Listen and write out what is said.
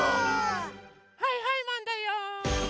はいはいマンだよ！